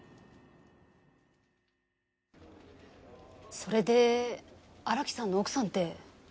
それで荒木さんの奥さんって。